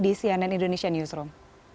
di cnn indonesia newsroom